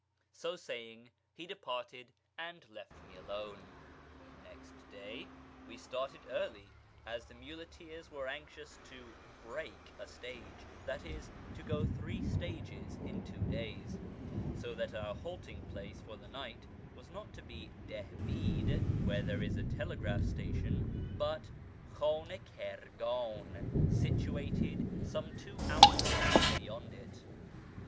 So saying, he departed and left me alone. Next day we started early, as the muleteers were anxious to " break " a stage — that is, to go three stages in two days ; so that our halting place for the night was not to be Dihbi'd, where there is a telegraph station, but Khan i Kirgan, situated some two hours' march beyond it.